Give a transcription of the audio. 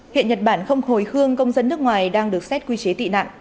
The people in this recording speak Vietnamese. hiện nhật bản không hồi hương công dân nước ngoài đang được xét quy chế tị nạn